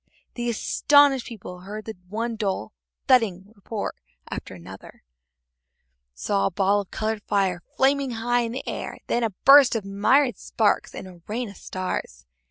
The astonished people heard one dull thudding report after another, saw a ball of colored fire flaming high in the air, then a burst of myriad sparks and a rain of stars.